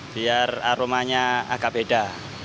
biar aromanya agak beda